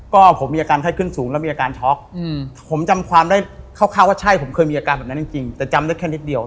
ก็ผมมีอาการไข้ขึ้นสูงแล้วมีอาการช็อกผมจำความได้คร่าวว่าใช่ผมเคยมีอาการแบบนั้นจริงแต่จำได้แค่นิดเดียว